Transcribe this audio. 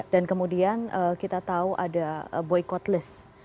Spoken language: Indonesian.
dan kemudian kita tahu ada boycott list